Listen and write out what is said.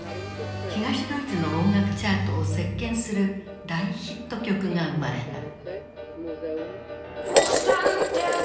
東ドイツの音楽チャートを席巻する大ヒット曲が生まれた。